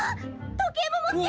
時計も持ってる！」